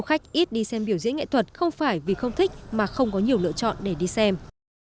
khách ít đi xem biểu diễn nghệ thuật không phải vì không thích mà không có nhiều lựa chọn để đi xem